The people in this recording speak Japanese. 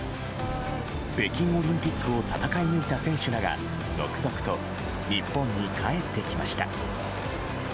北京オリンピックを戦い抜いた選手らが続々と日本に帰ってきました。